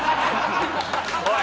おい！